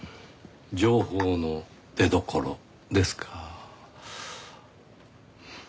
情報の出どころですか。